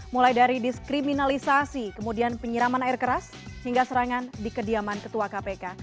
mulai dari diskriminalisasi kemudian penyiraman air keras hingga serangan di kediaman ketua kpk